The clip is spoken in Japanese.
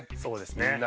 そうですね。